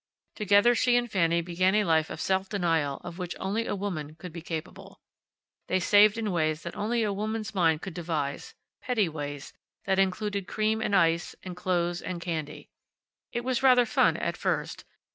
Together she and Fanny began a life of self denial of which only a woman could be capable. They saved in ways that only a woman's mind could devise; petty ways, that included cream and ice, and clothes, and candy. It was rather fun at first.